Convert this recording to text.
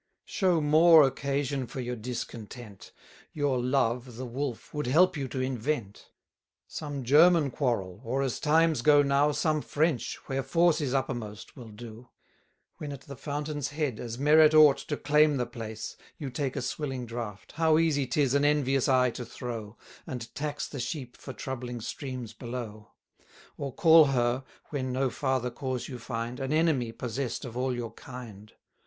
Show more occasion for your discontent; Your love, the Wolf, would help you to invent: 120 Some German quarrel, or, as times go now, Some French, where force is uppermost, will do. When at the fountain's head, as merit ought To claim the place, you take a swilling draught, How easy 'tis an envious eye to throw, And tax the sheep for troubling streams below; Or call her (when no farther cause you find) An enemy possess'd of all your kind!